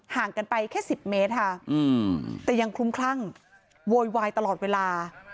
ห่างกันไปแค่๑๐เมตรค่ะแต่ยังคลุ้มคลั่งโวยวายตลอดเวลา